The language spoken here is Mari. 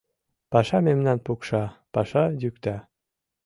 Паша мемнам пукша, паша йӱкта.